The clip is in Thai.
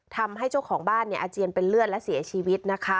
ทำให้เจ้าของบ้านอาเจียนเป็นเลือดและเสียชีวิตนะคะ